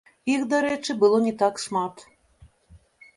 Іх, дарэчы, было не так шмат.